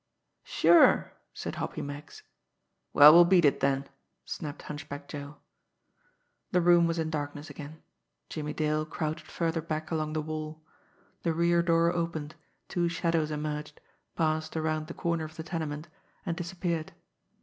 "Sure!" said Hoppy Meggs. "Well, we'll beat it, then," snapped Hunchback Joe. The room was in darkness again. Jimmie Dale crouched further back along the wall. The rear door opened, two shadows emerged, passed around the corner of the tenement and disappeared.